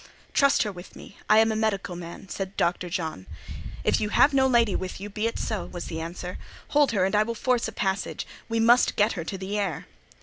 "Trust her with me; I am a medical man," said Dr. John. "If you have no lady with you, be it so," was the answer. "Hold her, and I will force a passage: we must get her to the air."